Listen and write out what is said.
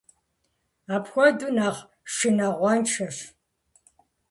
Апхуэдэу нэхъ шынагъуэншэщ.